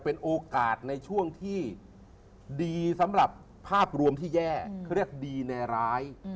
เป็นโอกาสในช่วงที่ดีสำหรับภาพรวมที่แย่เขาเรียกดีแนร้าย